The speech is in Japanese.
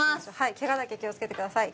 ◆けがだけ気をつけてください。